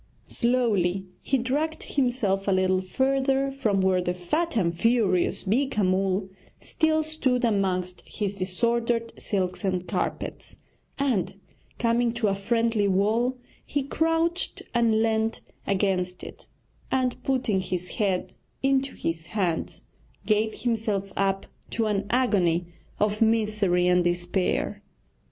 Slowly he dragged himself a little further from where the fat and furious Beeka Mull still stood amongst his disordered silks and carpets, and coming to a friendly wall he crouched and leant against it, and putting his head into his hands gave himself up to an agony of misery and despair.